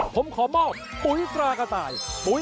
ผมขอมอบปุ๋ยตรากระต่าย